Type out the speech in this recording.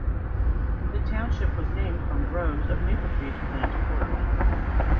The township was named from groves of maple trees within its borders.